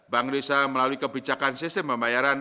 bank indonesia melalui kebijakan sistem pembayaran